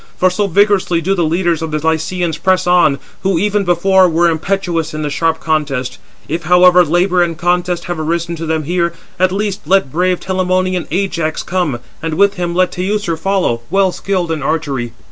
For so vigorously do the leaders of the Lycians press on, who even before were impetuous in the sharp contest. If, however, labour and contest have arisen to them there, at least let brave Telamonian Ajax come, and with him let Teucer follow, well skilled in archery."